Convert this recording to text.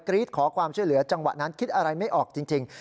รีดขอความช่วยเหลือจังหวะนั้นคิดอะไรไม่ออกจริง